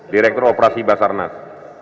direktur operasi basarnas